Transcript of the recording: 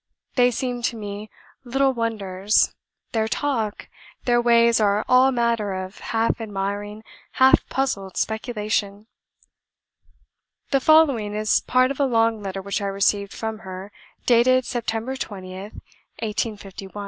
They seem to me little wonders; their talk, their ways are all matter of half admiring, half puzzled speculation." The following is part of a long letter which I received from her, dated September 20th, 1851: "...